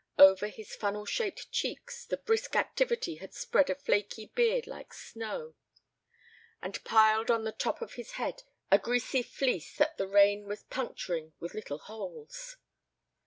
Over his funnel shaped cheeks the brisk activity had spread a flaky beard like snow, and piled on the top of his head a greasy fleece that the rain was puncturing with little holes.